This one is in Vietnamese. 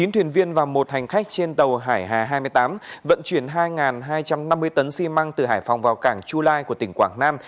chín thuyền viên và một hành khách trên tàu hải hà hai mươi tám vận chuyển hai hai trăm năm mươi tấn xi măng từ hải phòng vào cảng chu lai của tỉnh quảng nam